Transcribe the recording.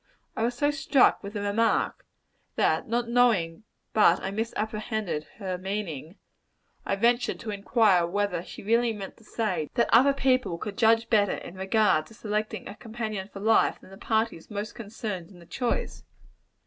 I was so struck with the remark, that not knowing but I misapprehended her meaning, I ventured to inquire whether she really meant to say, that other people could judge better in regard to selecting a companion for life, than the parties most concerned in the choice.